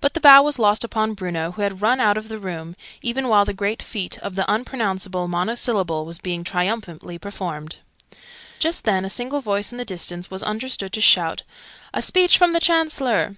But the bow was lost upon Bruno, who had run out of the room, even while the great feat of The Unpronounceable Monosyllable was being triumphantly performed. Just then, a single voice in the distance was understood to shout "A speech from the Chancellor!"